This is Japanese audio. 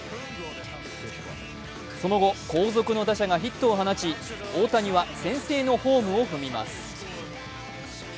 その後、後続の打者がヒットを放ち大谷は先制のホームを踏みます。